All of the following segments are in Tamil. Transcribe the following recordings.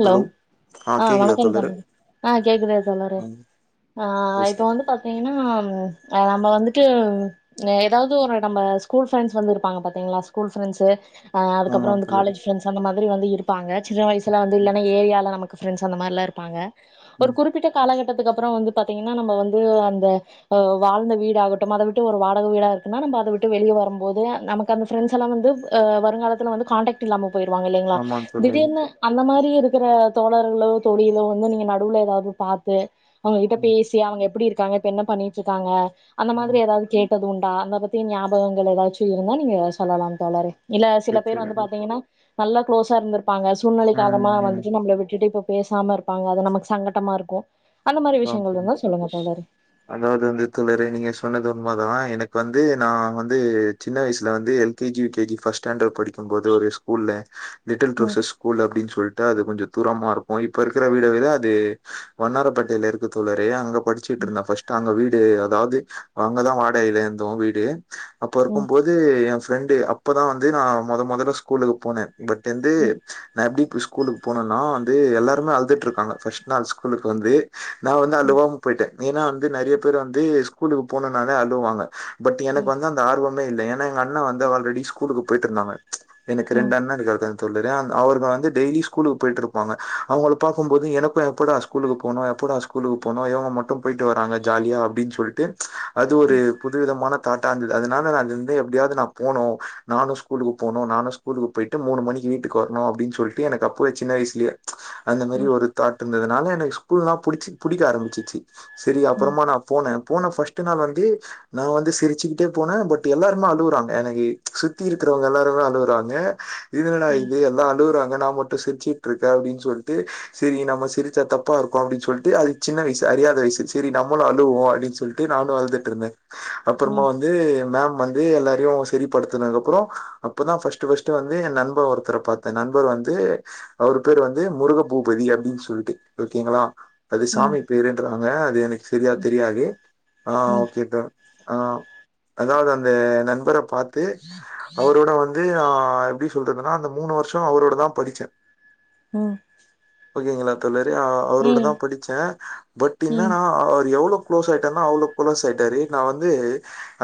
ஹலோ ஆ வணக்கம் தோழரே ஆ கேக்குதா தோழரே ம் ஆ இப்ப பேசுங்க வந்து பாத்தீங்கன்னா ஆ நம்ம வந்துட்டு ஏதாவது ஒரு நம்ம ஸ்கூல் ஃப்ரண்டஸ் வந்துருப்பாங்க பாத்தீங்களா ஸ்கூல் ஃப்ரெண்ட்ஸ்சு ஆமா அதுக்கப்றோ வந்து தோழரே காலஜ்ஃப்ரெண்டஸ்சு அந்த மாதிரி வந்து இருப்பாங்க சின்ன வயசல வந்து ம் இல்ல ஏரியாவில நமக் ஃபிரண்ட்ஸ் அந்த மாதிரில்லா இருப்பாங்க ஒரு ம் குறிப்பிட்ட காலகட்டத்துக்கு அப்றோ வந்து பாத்தீங்கன்னா நம்ம வந்து அந்த வாழ்ந்த வீட ஆகட்டு அத விட்டு ஒரு வாடக வீடா இருக்குன்னா நம்ம அத விட்டு வெளிய வரும்போதே நமக் தம் ஃபிரண்ட்ஸ்ல்லா வந்து வருங்காலத்துல வந்து காண்டைக்ட் இல்லாம போயிருவாங்க இல்லைங்ளா ஆமா தோழரே திடீர்னு அந்த மாரி இருக்கிற தோழர்களோ தொழிகலோ வந்து நீங்க நடுவுல ஏதாவது பாத்து அவங்க கிட்ட ம் பேசி அவங்க எப்டி இருக்காங்க இப்ப என்ன பண்ணிட்டுருக்காங்க அந்த மாரி ம் ஏதாவது கேட் டது உண்டா அத பத்தி ஞாபகங்கள் ஏதாச்சு இருந்தா நீங்க சொல்லலாம் தோழரே இல்ல சில சரி பேர் வந்து தோழரே பாத்தீங்கன்னா நல்லா கொளோஸா இருந்திருப்பாங்க சூழ்நிலை ம் கார்னமா ம் வந்துட்டு நம்ள விட்டுட்டு இப்ப பேசாம இருப்பாங்க அது நமக்கு சங்கடமா இருக்கும் ஆ சரி அதாது வந்து தோழரே நீங்க சொன்னது உண்மதா எனக்கு வந்து நா வந்து சின்ன வயசுல வந்து L K G U K G first standard படிக்கும்போது ஒரு ஸ்கூல்ல லிட்டில் ம் ரோஸஸ் கூல் அப்டின்னு சொல்ட்டு அது கொஞ்சம் தூரமா இருக்கும் இப்ப இருக்கிற வீட விட அது வன்னாரப்பேட் டைவ் இருக்கு தோழரே அங்க படிச்சுட்டு இருந்த ஃபஸ்ட்டு அங்க வீடு அதாது அங்கதா வாடகையில இருந்தோ வீடு அப்ப ம் இருக்கும்போது ஏ ஃப்ரெண்டு அப்பதா வந்து நா மொத மொதல்ல ஸ்கூலுக்கு போன பட் வந்து ம் நா எப்டி இப்ப ஸ்கூலுக்கு போனேன்னா வந்து எல்லாருமே அழுதுட்ருக்காங்க ஃபர்ஸ்ட் நாள் ஸ்கூலுக்கு வந்து நா வந்து ம் அழுவாம போயிட்டே ஏன்னா வந்து நெறைய பேர் வந்து ஸ்கூலுக்கு போனும்னாலே அழுவுவாங்க பட் எனக்கு ம் வந்து அந்த ஆர்வமே இல்ல ஏன்னா எங்க அண்ண வந்து ஆல்ரெடி ஸ்கூலுக்கு போயிட்ருந்தாங்க எனக்கு ரெண்டு அண்ண‌ இருக்காகள் சொல்லிற அவர்ங்க வந்து டெய்லி ஸ்கூலுக்கு போயிட்டு இருப்பாங்க அவுங்கள பாக்கும் போது எனக்கும் எப்படா ஸ்கூலுக்கு போணு ‌எப் எப்படா ஸ்கூலுக்கு போனு இவுங்க மட்டும் போயிட்டு வராங்க ஜாலியா அப்டின்னு சொல்லிட்டு அது ஒரு பு துவிதமான தாட்டா இருந்தது அதனால அதுந்து எப்டியாது நா போனு நானு ஸ்கூலுக்கு போனு நானு ஸ்கூலுக்கு போயிட்டு மூணு மணிக்கு‌ வீட்டுக்கு வர்ணு அப்டின்னு சொல்ட்டு எனக்கு அப்பவே சின்ன வயசுலயே அந்த மாரி ம் ம் ஒரு தாட் இருந்ததுனால எனக்கு ஸ்கூல்லா புடிச்சி புடிக்க ஆரம்பிச்சிச்சு செரி அப்புறமா நா போன போன ஃபஸ்ட்டு நாள் வந்து நா வந்து சிரிச்சுக்கிட்டே போன பட் எல்லாருமே அழுவுறாங்க எனக்கு சுத்தி இருக்கிறவங்க எல்லாருமே அழுவுறாங்க இது‌என்னடா இது எல்லா அழுவுறாங்க நா மட் ட்டு சிரிச்சுட்டு இருக்க அப்டின்னு சொல்லிட்டு சரி நம்ம சிரிச்சா தப்பா இருக்கு அப்டி சொல்ட்டு அது சின்ன வயசு அறியாத வயசு சரி நம்மளு அழுவுவோ அப்டின்னு சொல்ட்டு நானு அழுதுட்டு இருந்த அப்புறமா ம் வந்து மேம் வந்து எல்லாரையு சரிப்படுத்தனதுக்கு அப்புற அப்பதா ஃபஸ்ட்டு ஃபஸ்ட்டு வந்து என் நண்பர் ஒருத்தர பாத்த நண்பர் வந்து அவரு பேர் வந்து முருக பூபதி அப்டின்னு சொல்ட்டு ஓகேங்களா அது ம் ம் ம் சாமி பேருன்றாங்க அது எனக்கு சரியா தெரியாது ஆ ம் ஓகே டன் ஆ அதாவது அந்த நண்பர பாத்து அவரோட வந் ந்து நா எப்டி சொல்றதுன்னா அந்த மூணு வருஷ அவரோட தா படிச்ச ம் ஓகேங்களா தோழரே ம் ம் ம் ம் அவரோடதா படிச்ச பட் ம் என்னன்னா அவர் எவ்வளோ குளோஸ் ஆயிட்டார்னா அவ்வளோ குளோஸ் ஆயிட்டாரு நா வந்து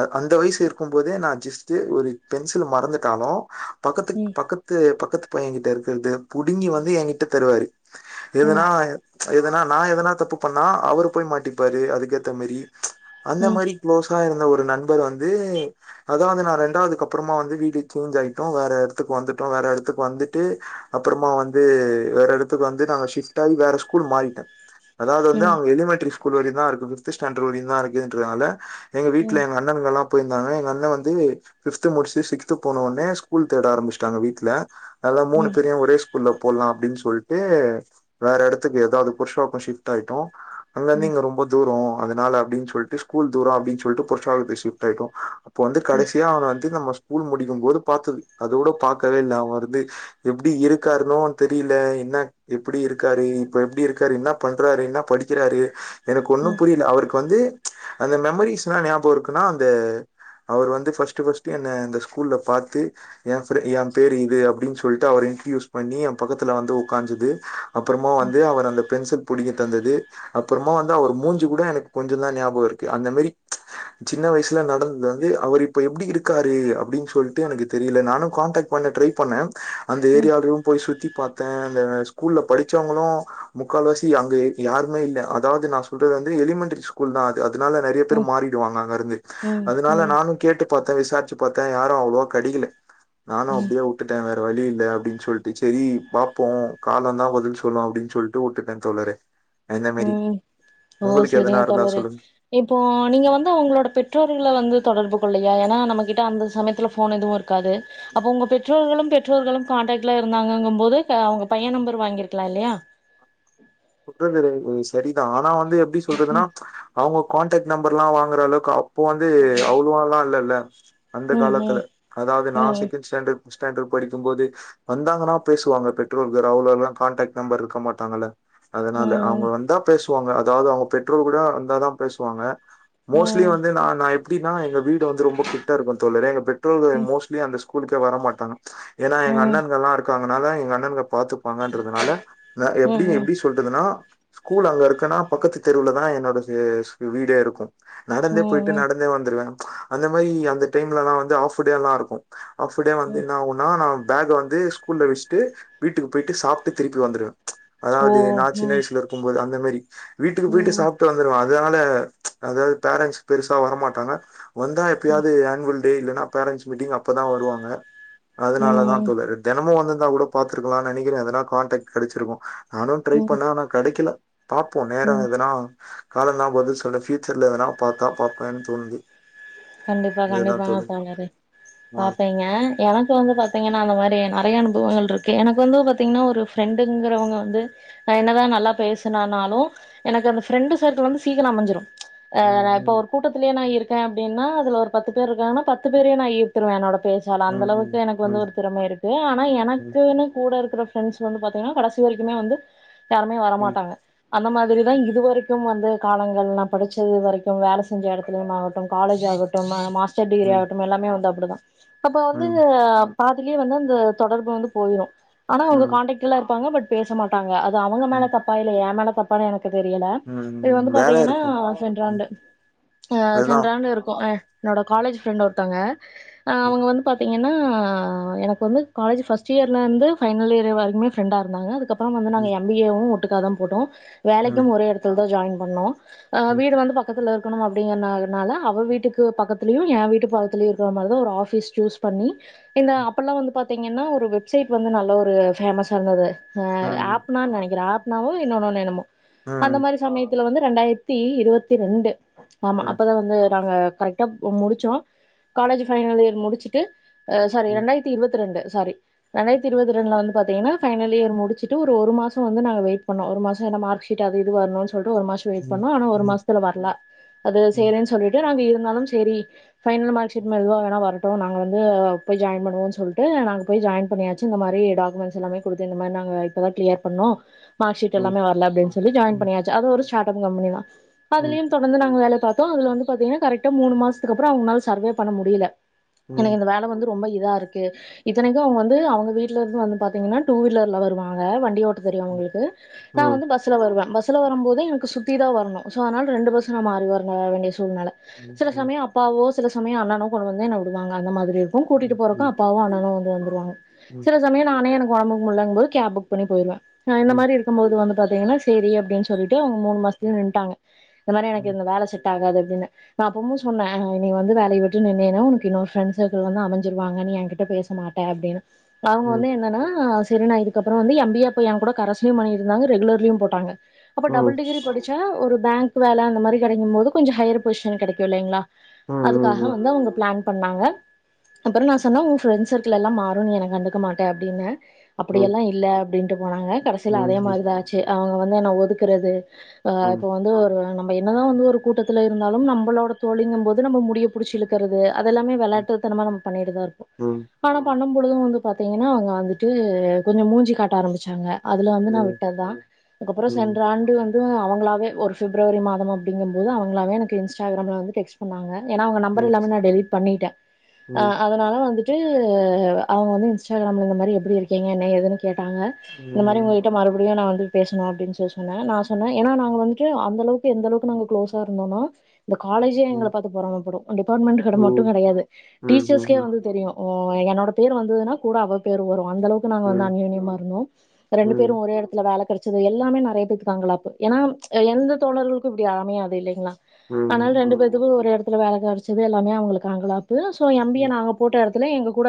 அ அந்த வயசு இருக்கும் போதே நா ஜஸ்ட்டு ஒரு பென்சில் மறந்துட்டாலு பக்கத்துக்கு பக்கத்து பக்கத்து பையங்கிட்ட இருக்கிறது புடுங்கி வந்து எங்கிட்ட தருவாரு எதுனா எதுனா நா எதுனா தப்பு பண்ணா அவரு போய் மாட்டிப்பாரு அதுக்கேத்த மாரி அந்த மாரி குளோஸா இருந்த ஒரு நண்பர் வந்து அதாவது வந்து நா ரெண்டாவதுக்கு அப்புறமா வந்து வீடு சேஞ்ச் ஆயிட்டோ வேற எடத்துக்கு வந்துட்டோ வேற எடத்துக்கு வந்துட்டு அப்புறமா வந்து வேற எடத்துக்கு வந்து நாங்க ஷிஃப்ட் ஆயி வேற ஸ்கூல் மாறிட்ட அதாவது வந்து அங்க எலிமெண்ட்ரி ஸ்கூல் வரையு தா இருக்குது ஃபிஃப்த்து ஸ்டாண்ட் வரையு தா இருக்குதுன்றதுனால எங்க வீட்ல எங்க அண்ணன்கள்லா போயிருந்தாங்க எங்க அண்ண வந்து ஃபிஃப்த்து முடிச்சிட்டு சிக்ஸ்த்து போனோன்னே ஸ்கூல் தேட ஆரம்பிச்சிட்டாங்க வீட்ல நல்லா மூணு பேரையும் ஒரே ஸ்கூல்ல போட்லா அப்டின்னு சொல்ட்டு வேற எடத்துக்கு ஏதாது புதுசா இப்ப ஷிஃப்ட் ஆயிட்டோ ம் ம் ம் ம் ம் ம் ம் அங்கருந்து இங்க ரொம்ப தூரோ அதனால அப்டின்னு சொல்ட்டு ஸ்கூல் தூரோ அப்டின்னு சொல்ட்டு புர்சாகத்துக்கு ஷிஃப்ட் ஆயிட்டோ இப்போ வந்து கடைசியா அவன வந்து நம்ம ஸ்கூல் முடிக்கும்போது பாத்தது அதோட பாக்கவே இல்ல அவன வந்து எப்டி இருக்காருன்னோ தெரில என்ன எப்டி இருக்காரு இப்ப எப்டி இருக் என்ன பண்றாரு என்ன படிக்கிறாரு எனக்கு ஒன்னு புரில அவருக்கு வந்து அந்த மெமரிஸ்லா ஞாபம் இருக்குன்னா அந்த அவர் வந்து ஃபர்ஸ்ட்டு ஃபர்ஸ்ட்டு என்ன அந்த ஸ்கூல்ல பாத்து என் என் பேரு இது அப்டின்னு சொல்ட்டு அவர் இன்ட்ரயூஸ் பண்ணி என் பக்கத்துல வந்து உக்காந்தது அப்புறமா வந்து அவர் அந்த பென்சில் புடிங்கி தந்தது அப்புறமா வந்து அவர் மூஞ்சு கூட எனக்கு கொஞ்ச தா ஞாபகம் இருக்கு அந்த மாரி சின்ன வயசு ல நடந்தது வந்து அவர் இப்ப எப்டி இருக்காரு அப்டின் சொல்ட்டு எனக்கு தெரில நானு கான்டாக்ட் பண்ண ட்ரை பண்ண அந்த ம் ஏரியாலு போய் சுத்தி பார்த்த அந்த ஸ்கூல்ல படிச்சவங்களு முக்கால்வசி அங்க யாருமே இல்ல அதாவது நா சொல்றது வந்து எலிமெண்டரி ஸ் கூல் தா அதனால நறைய பேர் மாறிடுவாங்க அங்க இருந்து அதனால நானு கேட்டு பாத்த விசாரிச்சு பாத்த யாரு அவ்ளோவா கிடைக்கல நானு ம் ம் அப்டியே விட்டுட வேற வழி இல்ல அப்டின் சொல்ட்டு செரி பார்போ காலம் தா பதில் சொல்லு அப்டின்னு சொல் ட்டு விட்டே தோழரே அந்த மேரி ம் ஓ உங்களுக்கு செரிங்க எதனா இருந்தா தோழரே சொல்லுங்க. இப்போ நீங்க வந்து உங்ளோட பெற்றோர்கள்ல வந்து தொடர்பு கொல்லையா ஏன்னா நம்ம கிட்ட அந்த சமயத்துல போன் எதுவு இருக் காது அப்ப உங்க பெற்றோர்களும் பெற்றோர்களும் கான்டாக்ட்ல இருந்தாங்கும் போது அவங்க பையன் நம்பர் வாங்கிருக்கலா இல்லையா சொல்றது சரிதா ஆனா வந்து எப்டி சொல்றதுன்னா அவங்க கான்டக்ட் நம்பர் எல்லா வாங்குற அளவுக்கு இப்போ வந்து அவ்ளோலா இல்லல்ல அந்த ம் காலத்துல ம் அதாவது நா ம் செகண்ட் ஸ்டாண்டர்ட் ஸ்டாண்டர்ட் படிக்கும் போது வந்தாங்கனா பேசுவாங்க பெற்றோர்கள் அவ்ளோலா கான்டாக்ட் நம்பர் இருக்க மாட்டாங்கல்ல அதனால அவுங்க ம் வந்தா பேசுவாங்க அதாவது அவுங்க பெற்றோர் கூட வந்தாதா பேசுவாங்க மோஸ்ட்லி ம் வந்து ந நா எப்டினா எங்க வீடு வந்து ரொம்ப கிட்டா இருக்கு தோழறே எங்க பெற்றோர்கள் மோஸ்லி அந்த ஸ்கூலுக்கே வர மாட்டாங்க ஏன்னா எங்க ம் அண்ணன்கள் எல்லா இருக்காங்கனால எங்க அண்ணன் பாத்து ப்பாங்கன்றதுனால எப்டி ம் சொல்றதுனா ஸ்கூல் அங்க இருக்குனா பக்கத்து தெருவுல தா என்னோட வீடே இருக்கு ம் நடந்தே ம் போயிட்டு ம் நடந்தே வந்துருவ அந்த மாரி அந்த டைம்லலா வந்து ஆஃப் டே எல்லா இருக்கு ஆஃப்டே ம் வந்துனா உ நா நா பேக்க வந்து ஸ்கூல்ல வச்சுட்டு வீட்டுக்கு போயிட்டு சாப்ட்டு திருப்பி வந்துருவ ஓ அதாவது நா சின்ன ம் வயசுல இருக்கும்போது அந்த மாரி வீட்டுக்கு போயிட்டு ம் சாப்ட்டு வந் ருவஅதனால அதாவது பேரன்ஸ் பெருசா வரமாட்டாங்க வந்தா எப்பையாவது ஆன்வல் டே இல்லன்னா பேரன்ஸ் மீட்டிங் அப்பதா வருவாங்க அதனால தா ம் தோழரே தெனமும் வந்துந்தா கூட பாத்துருக்லா நனைக்கிற எதனா கான்டாக்ட் கிடச்சிருக்கு நானு ட்ரை ம் பண்ண ஆனா கிடைக்கல பாபோம் நேரம் ம் இருந்தனா காலம் தா பதில் சொல்லு ப்ஃயூச்சர்ல எதனா பாத்தா பாப்பேன்னு தோணுது கண்டிப்பா அதுதான் கண்டிப்பாங்க தோழர். தோழரே ஆ. பாப்பீங்க எனக்கு வந்து பாத்தீங்கனா அந்த மாரி நெறைய அனுபவங்கள் இருக்கு எனக்கு வந்து பாத்தீங்கனா ஒரு ஃப்ரெண்டுங்கறவங்க வந்து அ என்னதா நல்லா பேசுனனாலு எனக்கு அந்த ஃப்ரெண்டு் சர்குள் வந்து சீக்கிரம் அமஞ்சிடு ஆ ம், நா இப்ப ம். ஒரு கூட்டத்திலயே நா இருக்கே அப்டின்னா அது ஒரு பத்து பேர் இருக்காங்கன்னா பத்து பேரையு நா ஈ்த்துடுவ என்னோட பேசு சோ அந்த ம், அளவுக்கு ம். எனக்கு வந்து ம், ஒரு திறமை இருக்கு ஆனா ம், எனக்குன்னு கூட இருக்கிற ப்ரெண்ஸ் வந்து பாத்தீங்னா கடைசி வரைக்குமே வந்து யாருமே வர ம், மாட்டாங்க அந்த மாதிரிதா இது வரைக்கு வந்து காலங்கள் நா படிச்சது வரைக்கு வேல செஞ்ச இடத்துலயு காலேஜ் ஆகட்டு மாஸ்டர் டிகிரி ம், ஆகட்டு எல்லாமே வந்து அப்டிதா அப்ப ம், வந்து ம், பாதிலயே வந்து அந்த தொடர்பு வந்து போயிடு ஆனா அவங்க ம், காண்டக்ட்ல இருப்பாங்க பட் பேசமாட்டாங்க அது அவுங்க மேல ம். தப்பா இல்ல என் மேல தப்பா னு எனக்கு தெரில இது ம். வந்து வேல பாத்தீங்கனா இருக்கும். ம். சென்றாண்டு அதுதான். இருக்கும் என்னோட காலேஜ் பிரரெண்ட் ஒருத்தவங்க ம். அவங்க வந்து பாத் தீங்கன்னா எனக்கு வந்து காலஜ் ஃபஸ்ட் இயர்ல இருந்து பைனல் இயர் வரைக்குமே ஃப்ரெண்டா இருந்தாங்க அதுக்கப் அப்புற வந்து நாங்க எம் பி ஏ வு ஒட்டுக்காதா போட்டோ வேலைக்கு ஒரே எடத்துல தா ஜாயின் பண்ணோ ஆ வீடு வந்து பக்கத்தில இருக்கணு அப்டிங்கறனா னால அவ வீட்டுக்கு பக்கத்துலயு என் வீட்டு பக்கத்துலயு இருக்குற மாரிதா ஒரு ஆபீஸ் சூஸ் பண்ணி என்ன அப்பல்லா வந்து பாத்தீங்கன்னா ஒரு வெப்சைட் வந்து நல்ல ஒரு ஃபேமஸ் ஆ இருந்தது ஆ ஆப்னான்னு நெனைக்கிறே ஆப்னாவு இன்னொன்னு என்னமோ அந்த மாரி சமயத்து ல வந்து ரெண்டாயிரத்தி இருவத்தி ரெண்டு ஆமா அப்பதா வந்து நாங்க கரெக்டா முடிச்சோ காலேஜ் பைனல் இயர் முடிச்சுட்டு சாரி ரெண்டாயிர தந்தி இருவத் ரெண்டு சாரி ரெண்டாயிரத்தி இருவத்திரண்டுல வந்து பாத்தீங்கன்னா பைனல் இயர் முடிச்சிட்டு ஒரு ஒரு மாசொ வந்து நாங்க வெயிட் பண்ணோ ஒரு மாசொ ஏன்னா மார்க் ஸீ ட் அது இது வருன் சொல்லிட்டு ஒரு மாசொ வெயிட் பண்ணோ ஆனா ஒரு மாசத்துல வர்ல அது சேரின்னு சொல்லிட்டு நாங்க இருந்தாலும் சேரி ஃபைனல் மார்க் ஷீட் மெதுவா வேணா வரட்டு நாங்க வந்து இப்ப ஜாயின் பண்ணுவோ சொல்ட்டு நாங்க போய் ஜாயின் பண்ணியா ச்சு இந்த மாரி டாக்குமெண்ட்ஸ் எல்லாமே குடுத்து இந்த மாரி நாங்க இப்பதா கிளியர் பண்ணோ மார்க் ஷீட் எல்லாமே வர்ல அப்டின் சொல்லி ஜாயின் பண்ணியாச்ச அது ஒரு ஸ்டார்ட் அப் கம்பெனிதா அதுலய தொடர்ந்து நாங்க வேல பாத் போ அதுல வந்து பாத்தீங்கன்னா கரெக்டா மூணு மாசத்துக்கு அப்புற அவங்களால சர்வே பண்ண முடியில அண்ணே இந்த வேல வந்து ரொம்ப இதா இருக்கு இத்தனைக்கு அவுங்க வந்து அவுங்க வீட்ல இருந்து வந்து பாத்தீங்கன்னா டூ வீலர்ல வருவாங்க வண்டி ஓட் தெரியு உங்களுக்கு நா வந்து பஸ் ஸில வருவே பஸ்ஸில வரும்போதே எனக்கு சுத்தி தா வரனு ஸோ அனால ரெண்டு பஸ்ஸ நா மாறி வர வேண்டிய சூழ்நெல சில சமய அப்பாவோ சில சமய அண்ணனோ கொண்டு வந்து என்ன விடுவாங்க அந்த மாதிரி ம் கூட்டிட்டு போறக்கு அப்பாவோ அண்ணணோ வந்து வந்துருவாங்க சில சமய நானே எனக்கு ஒடம்புக்கு முடியல்லங்போது நானே கேப் புக் பண்ணி போயிருவே இந்த மாரி இரு க்கும்போது வந்து பாத்தீங்கன்னா சேரி அப்டின் சொல்லிட்டு அவங்க மூணு மாசத்துல நின்டாங்க இந்த மாரி எனக்கு இந்த வேல செ ட் ஆகாது அப்டின்னு நா அப்பமு சொன்னே நீ வந்து வேலய விட்டு நின்னினா உனக்கு இன்னொ ஃப்ரண்ஸ் சர்குள் வந்து அமஞ்சிருவாங்க நீ ஏங்கிட்ட பேஸ் ச மாட்ட அப்டின்னு அவங்க வந்து என்னன்னா சிறு நாய் அதுக்கப்பற வந்து எம் பி ஏ இப்ப என்கூட கரஸ்லயு பண்ணிடுருந்தாங்க ரெகுலர்லயு போட்டாங்க அப்ப டபுள் டிகிரி படிச்சா ஒரு பேங்க் வேல அந்த மாரி கெடைக்கு போது கொஞ்ச ஹையர் பொசிஷன் கெடைக்கு இல்லங்களா அதுக்காக வந்து அவங்க பிளான் பண்ணாங்க அப்புற நா சொன்னே உன் ப்ரெண்ஸ் சர்க்கிள் எல்லா மாறு நீ என்ன கண்டுக்க மாட்ட அப்டின் அப்டியெல்லா இல்ல அப்டின்ட்டு போனாங்க கடைசியில அதே மாதிரிதாச்சு அவுங்க வந்து என்ன ஒதுக்குறது ஆ இப்ப வந்து ஒரு நம்ம என்னதா வந்து ஒரு கூட்டத்துல இருந்தாலும் நம்மளோட தோழிங்குற போது நம்ம முடிய புடிச்சு இழுக்கிறது அதெல்லாமே விளையாட்டு தனமா நம்ம பண்ணிட்டுதா இருப்போ ஆனா பண்ணும் பொழுதும் வந்து பாத்தீங்கன்னா அவங்க வந்துட்டு கொஞ்ச மூஞ்சி காட்ட ஆரம்பிச்சாங்க அதுல வந்து நா விட்டதுதா அதுக்கப்புற சென்ற ஆண்டு வந்து அவங்களாவே ஒரு ஃபிப்ரவரி மாதம் அப்டிங்க அதுதா அவங்ளாவே எனக்கு இஸ்டாகிராம்ல வந்து டெக்ஸ் சொன்னாங்க ஏனா அவுங்க நம்பர் எல்லாமே நா டெலிட் பண்ணிட்டே அ ஆ துக்காக வந்துட்டு அவங்க வந்து இன்ஸ்டாகிராமில இந்த மாரி எப்டி இருக்கீங்க என்ன ஏதுன்னு கேட்டாங்க இந்த மாரி உங்ககிட்ட மறுபடியு நான் வந்து பேசணு அப்டின் சொல்லி சொன்னே நா சொன்னே ஏன்னா நாங்க வந்துட்டு அந்த அளவுக்கு எந்தளவுக்கு நாங்க க்ளோஸா இருந்தோம்னா இந்த காலேஜே எங்கள பாத்து பொறாமப்படு டிாபார்ட்மெண்ட் கட மட்டும் கெடையாது டீச்சர்ஸ்கே வந்து தெரியு ஓ என்னோட பேர் வந்ததுன்னா கூட அவ பேரு வரு அந்தளவுக்கு நாங்க வந்து அந்யோனியமா இருந்தோ ரெண்டு பேரு ஒரே எடத்துல வேல கெடச் சோ இது எல்லாமே நெறைய பேத்துக்கு அங்களாப்பு ஏன்னா எந்த தோழர்களுக்கு இப்டி அமையாது இல்லைங்ளா ஆனால் ரெண்டு பேத்துக்கு ஒரே எடத்துல வேல கெடைச்சது எல்லாமே அவங்களுக்கு அங்கலாப்பு சோ எம் பி ஏ நாங்கப் போட்ட எடத்துல எங்க கூட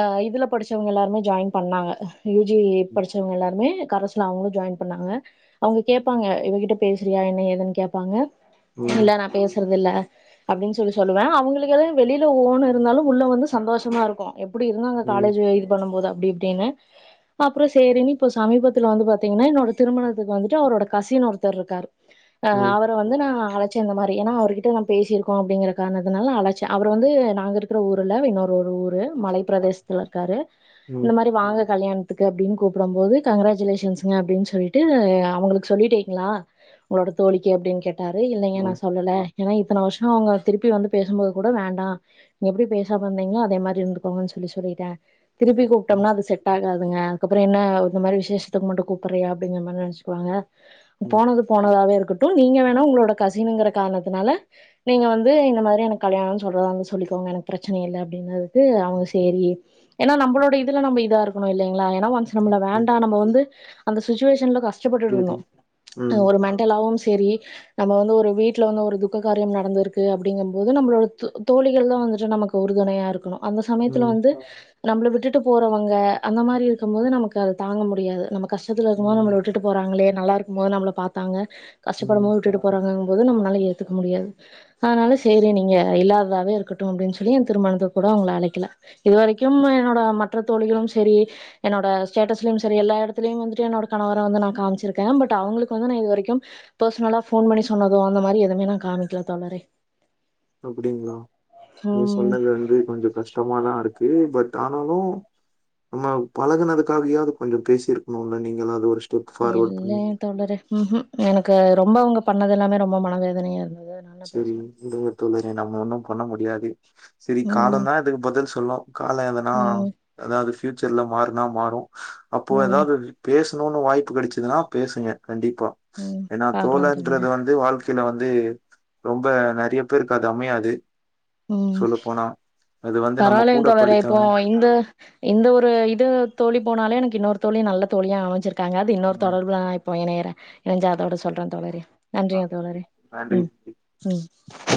அ இதுல படிச்சவங்க எல்லாருமே ஜாயின் பண்ணாங்க. யூ ஜி படிச்சவங்க எல்லாருமே கரஸ் ல அவுங்குளு ஜாயின் பண்ணாங்க. அவுங்க கேப்பாங்க இவகிட்ட பேசுறியா என்ன ஏதுன் கேப்பாங்க. இல்ல நா பேசறதில்ல. அப்டின் சொல்லி சொல்லுவே அவுங்குளுக்கு எல்லா வெளில ஓணு இருந்தாலு உள்ள வந்து சந்தோஷமாருக்கு. எ ப்டி இருந்தாங்க காலேஜ் வ இது பண்ணும்போது அப்டி இப்டினு [inaudible] அப்புறோ சேரினு இப்போ சமீபத்துல வந்து பாத்தீங்கன்னா என்னோட திருமணத்துக்கு வந்துட்டு அவுரோட கசின் ஒருத்தர்ருக்காரு. [inaudible] அ அவ ர வந்து நா அழைச்சே இந்த மாரி ஏனா அவரு கிட்ட நா பேசிருக்கோ அப்டிங்கிற காரணத்தினால் நா அழைச்சே அவர் வந்து நாங்க இரு க்ற ஊர் இல்ல அவ இன்னொரு ஒரு ஊரு மலை பிரதேசத்துல இருக்காரு. இந்த மாரி வாங்க கல்யாண் துக்கு அப்டினு கூப்படம் போது கங்ராஜுலேஷன்ஸ்ங்க அப்டின் சொல்லிட்டு அவுங்குளுக்கு சொல்லிட்டேக்ங்ளா உங்ளோட தோழிக்கு அப்டின் கேட்டாரு இல்லைங்க நா சொல்லல. ஏனா இத்தன வருஷ்மா அவுங்க திருப்பி வந்து பேசும்போது கூட வேண்டா எப்டி பேசாம இர்ந்திங்ளோ அதே மாரி இர்ந்துக்கோங்கன் சொல்லி சொல்லிட்டே திருப்பி கூப்ட்டம்னா அது செட் ஆகாதுங்க. கப்புற என்ன இந்த மாரி விஷேஷ்த்துக்கு மட்டு கூப்பறியா அப்டிங்கற மாரி நெனச்க்குவாங்க போனது போனதாவே இருக்கட் டு நீங்க வேணா உங்களோட கசினுங்கிற காரணத்தினால நீங்க வந்து இந்த மாரி எனக்கு கல்யாணன் சொல்றதாந்தா சொல்லிக்கோங்க எனக் பிரச்சன இல்ல அப்டின்னது க்கு அவுங்க சேரி ஏனா நம்பளோட இதுல நம்ப இதா இருக்குணு இல்லைங்ளா ஏனா ஒன்ஸ் நம்மள வேண்டா நம்ப வந்து அந்த சுச்சுவேஷன்ல கஷ்டப்பட்டுட்ருந்தோ அ ஒரு மெண்டல் ஆவும்ஸ் தெரி நம்ப வந்து ஒரு வீட்ல வந்து ஒரு துக்க காரியம் நடந்திருக்கு அப்டிங்கம்போது நம்ளோட து தோழிகள் தா வந்துட்டு நமக்கு உறுதுணையா இருக்குணு அந்த சமயத்துல வந்து நம்ள விட்டுட்டு போறவங்க அந்த மாரி இருக்கம் போது நமக்கு அது தாங்க முடியாது நம்ம கஷ்டத்துல இருக்கும்போது நம்மள ம், விட்டுட் ட்டு போறாங்களே நல்லா இருக்கும் போது நம்மள பாத்தாங்க கஷ்டப்படும் ம். போது விட்டுட்டு போறாங்கங் போது நம்னால ஏத்துக்க முடியாது. அதனால சேரி நீங்க இல்லாததாவே இருக்கட்டு அப்டின் சொல்லி எ திருமணத்துக் கூட அவங்கள அழைக்கல. இது வரைக்கும் என்னோட மற்ற தோழிகளும் செரி என்னோட ஸ்டேட்டஸ்லயும் சரி எல்லா எடத்துலயும் வந்துட்டு என்னோட கணவர வந்து நா காமிச்சிருக்கே பட் அவுங்குளுக்கு வந்து நா இது வரைக்கும் பெர்சனலா ஃபோன் பண்ணி சொன்னதோ அந்த மாரி எதுமே நா காமிக்கல தோழரே. அப்டிங்ளா நீங் ம் சொன்னது வந்து கொஞ்சொ கஷ்டமாதா இருக்கு பட் ஆனாலு நம்ம பழகுனதுக்காகயாது கொஞ்சொ பேசிருக்ணுல்ல நீங்களாது ஒருஸ் இல்லங்க தோழரே ம் ஹூ எனக்கு அது ரொம்ப அவுங்க பண்ணது எல்லாமே ரொம்ப மனவேதனையா இருந்தது அதனா செரி விடுங்க தோழரே நம்ம ஒன்னு பண்ண முடியாது. செரி ம் காலந்தா இதுக்கு பதில் சொல்லு காலோ எதனா ம் அதாது ஃபியூச்சர்ல மாறுனா மாறு அப்போ ம் எதாது பேசணுனு வாய்ப்பு கெடைச்சதுன்னா பேசுங்க கண்டிப்பா ம் ஏனா பாக்கலா தோழன்றது தோழரே வந்து வாழ்க் த்தில வந்து ரொம்ப நெறய பேருக்கு அது அமையாது ம் சொல்லப்போனா. அது வந்து நம்ம பரவால்லங்க கூட தோழரே இப்போ படித்தவங்க. இந்த இந்த ஒரு இது தோழி போனாலே எனக்கு இன்னொரு தோழி நல்ல தோழியா அமைஞ்சிருக்காங்க அது இன்னொரு ம். தொடர்புல நா இப் போ இணையிறே இணைஞ்சு அதோட சொல்றே தோழரே ஆ நன்றிங்க தோழரே நன்றி ம் ம்.